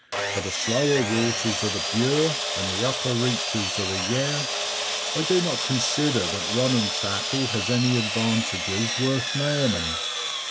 For the slower waters of the Bure and the upper reaches of the Yare, I do not consider that running tackle has any advantages worth naming.